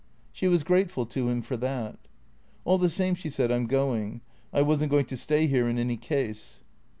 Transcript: She was grateful to him for that. " All the same," she said, " I 'm going. I was n't going to stay here in any case."